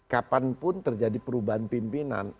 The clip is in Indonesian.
kapanpun terjadi perubahan pimpinan